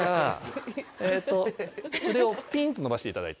えっと腕をピンと伸ばしていただいて。